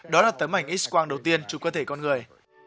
đó là tấm ảnh x quang đầu tiên cho cơ thể con người